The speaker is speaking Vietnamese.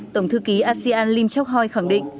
tổng thư ký asean lim chok hoi khẳng định